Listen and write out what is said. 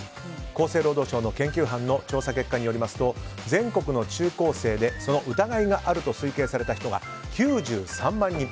厚生労働省の研究班の調査結果によりますと全国の中高生でその疑いがあると推計された人が９３万人。